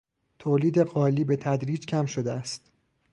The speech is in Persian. تولید قالی به تدریج کم شده است.